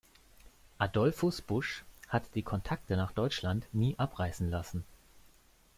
Adolphus Busch hatte die Kontakte nach Deutschland nie abreißen lassen.